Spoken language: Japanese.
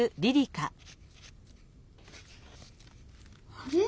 あれ？